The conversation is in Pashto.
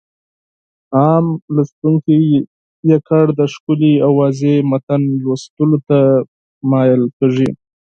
عام لوستونکي يوازې د ښکلي او واضح متن لوستلو ته مايل کېږي.